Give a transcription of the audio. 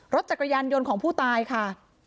รถจักรยานยนต์ของผู้ตายค่ะ